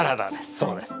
そうです。